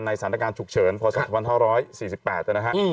สถานการณ์ฉุกเฉินพศ๒๕๔๘นะฮะ